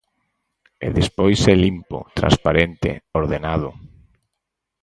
E despois é limpo, transparente, ordenado.